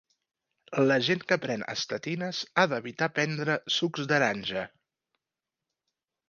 La gent que pren estatines ha d'evitar prendre sucs d'aranja.